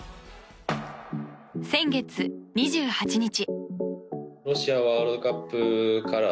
先月２８日。